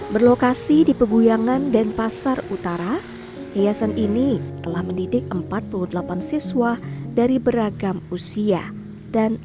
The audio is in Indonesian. berlokasi di peguyangan denpasar utara yayasan ini telah mendidik empat puluh delapan siswa dari beragam usia dan